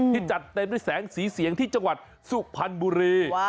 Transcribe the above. ที่จัดเพลิงแสงสีเสียงที่จังหวัดสุพันธุ์บุรี